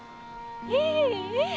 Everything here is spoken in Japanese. ええええ。